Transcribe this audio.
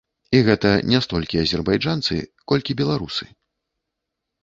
І гэта не столькі азербайджанцы, колькі беларусы.